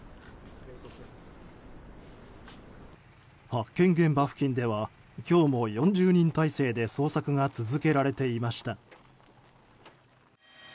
発見現場付近では今日も４０人態勢で捜索が続けられていました。